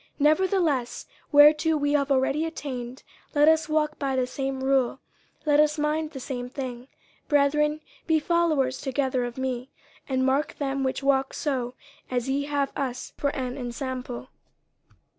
50:003:016 Nevertheless, whereto we have already attained, let us walk by the same rule, let us mind the same thing. 50:003:017 Brethren, be followers together of me, and mark them which walk so as ye have us for an ensample.